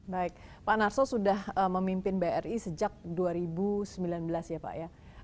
baik pak narso sudah memimpin bri sejak dua ribu sembilan belas ya pak ya